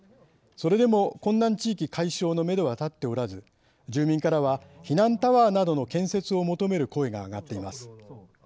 それでも困難地域解消のめどは立っておらず住民からは避難タワーなどの建設を求める声が上がっています。